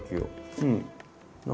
うん。